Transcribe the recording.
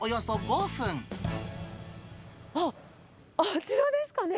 あっ、あちらですかね。